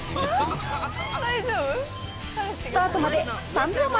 スタートまで３秒前。